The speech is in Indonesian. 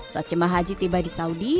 saat jemaah haji tiba di saudi